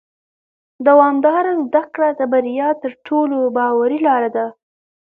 دوامداره زده کړه د بریا تر ټولو باوري لاره ده